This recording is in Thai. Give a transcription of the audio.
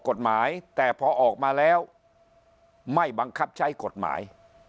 กฎหมายแต่พอออกมาแล้วไม่บังคับใช้กฎหมาย